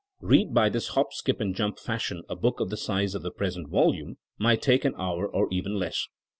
Bead by this *'hop, skip and jump'* fashion a book the size of the present volume might take an hour or even less.